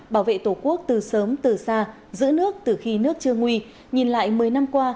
bảo vệ tổ quốc từ sớm từ xa giữ nước từ khi nước chưa nguy nhìn lại một mươi năm qua